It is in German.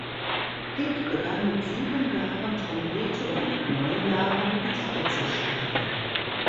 Hick begann mit sieben Jahren Trompete und mit neun Jahren Gitarre zu spielen.